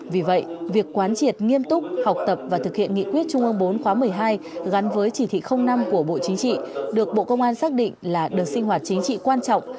vì vậy việc quán triệt nghiêm túc học tập và thực hiện nghị quyết trung ương bốn khóa một mươi hai gắn với chỉ thị năm của bộ chính trị được bộ công an xác định là đợt sinh hoạt chính trị quan trọng